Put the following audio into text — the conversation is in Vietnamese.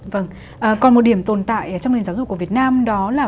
vâng còn một điểm tồn tại trong nền giáo dục của việt nam đó là